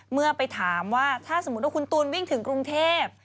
เมื่อไปถามว่าถ้าสมมุติว่าคุณตูนวิ่งถึงกรุงเทพ